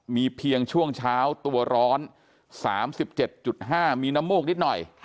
มีเพียงช่วงเช้าตัวร้อน๓๗๕มีน้ำมูกนิดหน่อย